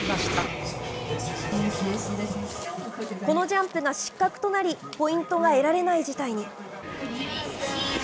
このジャンプが失格となり、ポイントが得られない事態に。